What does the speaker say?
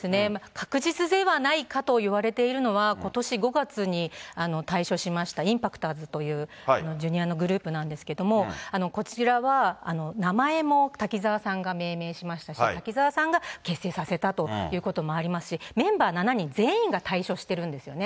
確実ではないかといわれているのは、ことし５月に退所しましたインパクターズというジュニアのグループなんですけれども、こちらは名前も滝沢さんが命名しましたし、滝沢さんが結成させたということもありますし、メンバー７人全員が退所しているんですよね。